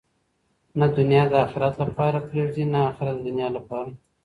نه دنیا د آخرت لپاره پریږدئ نه آخرت د دنیا لپاره.